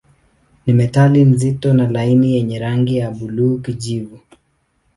Ni metali nzito na laini yenye rangi ya buluu-kijivu.